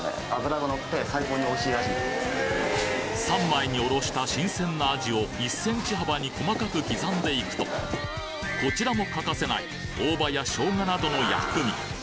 ３枚におろした新鮮なアジを１ｃｍ幅に細かく刻んでいくとこちらも欠かせない大葉やショウガなどの薬味